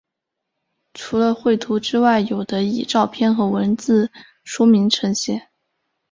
除了绘图之外有的以照片和文字说明呈现。